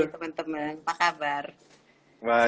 teman teman apa kabar